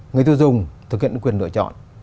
người tiêu dùng thực hiện quyền lựa chọn